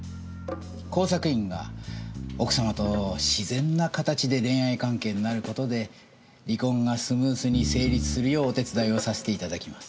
工作員が奥様と自然な形で恋愛関係になる事で離婚がスムーズに成立するようお手伝いをさせて頂きます。